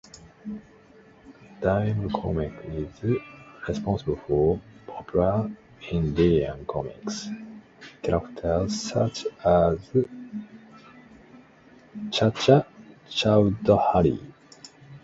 Diamond Comics is responsible for popular Indian comics characters such as Chacha Chaudhary.